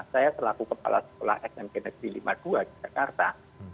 saya selaku kepala sekolah smp negeri lima puluh dua di jakarta